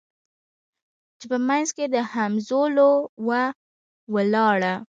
چي په منځ کي د همزولو وه ولاړه